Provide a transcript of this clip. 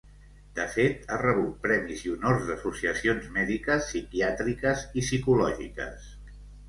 De fet, ha rebut premis i honors d'associacions mèdiques, psiquiàtriques i psicològiques.